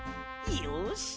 よし！